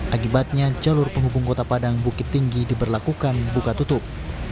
akibatnya jalur penghubung kota padang bukit tinggi diberlakukan buka tutup